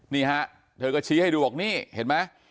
นี่ฮะเธอก็ชี้ให้ดูบอกนี่เห็นไหม